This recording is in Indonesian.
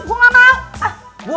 gue gak mau